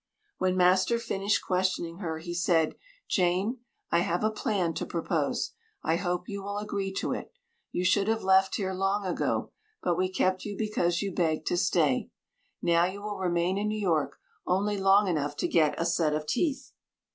When master finished questioning her, he said, "Jane, I have a plan to propose. I hope you will agree to it. You should have left here long ago, but we kept you because you begged to stay. Now you will remain in New York, only long enough to get a set of teeth."